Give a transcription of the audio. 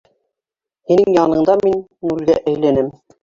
Һинең яныңда мин... нолгә әйләнәм.